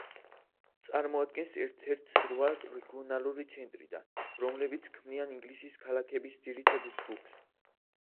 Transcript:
წარმოადგენს ერთ-ერთს რვა რეგიონალური ცენტრიდან, რომლებიც ქმნიან ინგლისის ქალაქების ძირითად ჯგუფს.